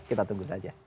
kita tunggu saja